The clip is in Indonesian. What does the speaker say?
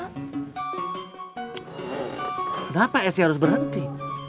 kenapa saya harus berhenti